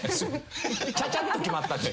ちゃちゃっと決まった。